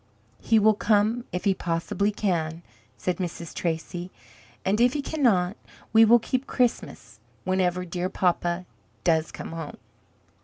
"He will come if he possibly can," says Mrs. Tracy; "and if he cannot, we will keep Christmas whenever dear papa does come home."